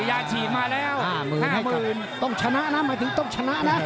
ยาฉีดมาแล้ว๕หมื่น๕หมื่นต้องชนะนะหมายถึงต้องชนะนะ